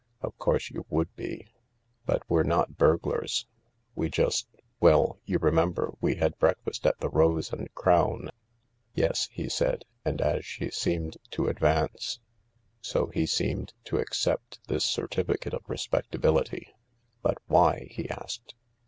" Of course you would be, but we're not burglars. We're just •.. well, you remember we had breakfast at the Rose and Crown ?"" Yes/' said he, and as she seemed to advance, so he seemed to accept, this certificate of respectability. " But why ?;. he asked.